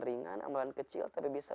ringan amalan kecil tapi bisa